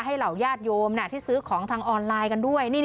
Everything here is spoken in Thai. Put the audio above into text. เหล่าญาติโยมที่ซื้อของทางออนไลน์กันด้วย